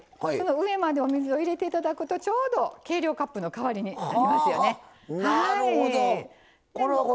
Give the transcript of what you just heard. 上までお水を入れていただくとちょうど、計量カップの代わりになりますよね。